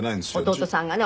弟さんがね。